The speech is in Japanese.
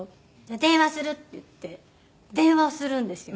「電話する」って言って電話をするんですよ。